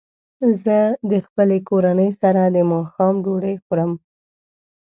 زه د خپلې کورنۍ سره د ماښام ډوډۍ خورم.